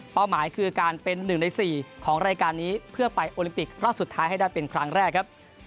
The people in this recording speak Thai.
หมายคือการเป็น๑ใน๔ของรายการนี้เพื่อไปโอลิมปิกรอบสุดท้ายให้ได้เป็นครั้งแรกครับ